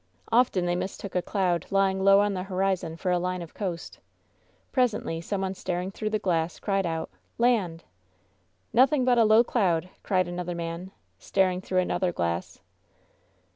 Often they mistook a cloud lying low on the horizon for a line of coast. Presently some one staring through the glass cried out: "Land!^' "Nothing but a low cloud !^' cried another man, star ing through another glass.